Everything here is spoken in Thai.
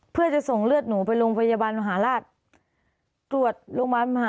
เพื่อจะส่งเลือดหนูไปโรงพยาบาลมหาราช